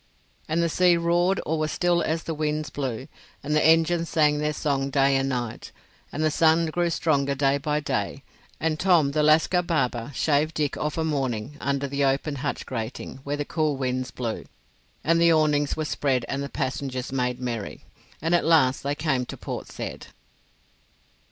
And the sea roared or was still as the winds blew, and the engines sang their song day and night, and the sun grew stronger day by day, and Tom the Lascar barber shaved Dick of a morning under the opened hatch grating where the cool winds blew, and the awnings were spread and the passengers made merry, and at last they came to Port Said.